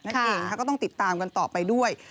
นั่นเองก็ต้องติดตามกันต่อไปด้วย